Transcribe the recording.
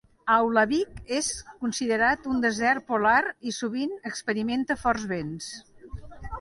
Aulavik és considerat un desert polar i sovint experimenta forts vents.